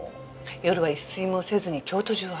夜は一睡もせずに京都中を歩き回る。